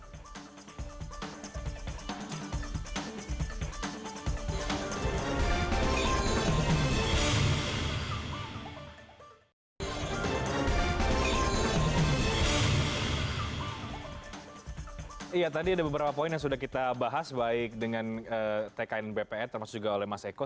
iya tadi ada beberapa poin yang sudah kita bahas baik dengan tkn bpn termasuk juga oleh mas eko